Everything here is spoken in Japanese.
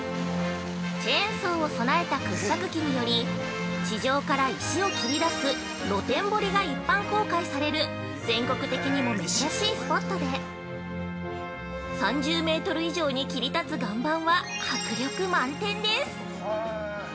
チェーンソーを備えた掘削機により地上から石を切り出す露天掘りが一般公開される全国的にも珍しいスポットで３０メートル以上に切り立つ岩盤は迫力満点です。